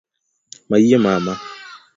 Mayie Mama!